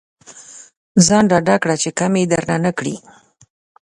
ځان ډاډه کړه چې کمې درنه نه کړي.